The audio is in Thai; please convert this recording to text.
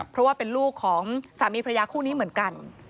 เพราะว่าเป็นลูกของสามีพระยาคู่นี้เหมือนกัน